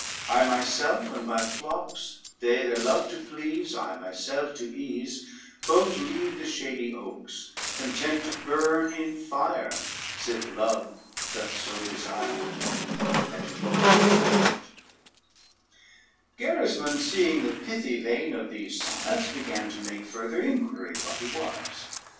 I myself And my flocks, They their love to please, I myself to ease, Both leave the shady oaks; Content to burn in fire, Sith Love doth so desire. Et florida pungunt. [Footnote 1: Sirius, the dog star.] Gerismond, seeing the pithy vein of those sonnets, began to make further inquiry what he was.